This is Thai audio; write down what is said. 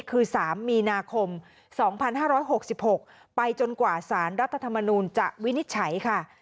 คือ๓มีนาคม๒๕๖๖ไปจนกว่าสารรัฐธรรมนูลจะวินิจฉัยค่ะ